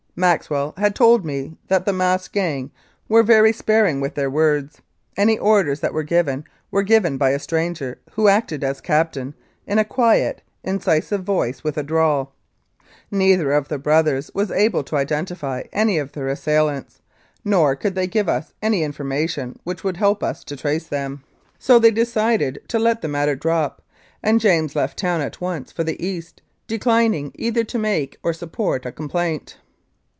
Maxwell had told me that the masked gang were very sparing with their words. Any orders that were given were given by a stranger, who acted as captain, in a quiet, incisive voice with a drawl. Neither of the brothers was able to identify any of their assailants, nor could they give us any information which would help us to trace them, so they decided to 267 Mounted Police Life in Canada let the matter drop, and James left town at once for the East, declining either to make or support a complaint.